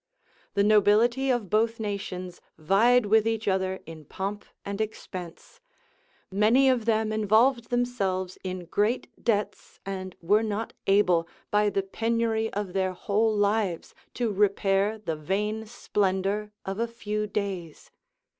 The nobility of both nations vied with each other in pomp and expense: many of them involved themselves in great debts, and were not able, by the penury of their whole lives, to repair the vain splendor of a few days.